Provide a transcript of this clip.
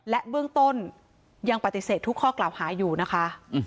และเบื้องต้นยังปฏิเสธทุกข้อกล่าวหาอยู่นะคะ